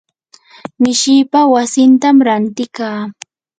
mishipaa wasitam ranti kaa.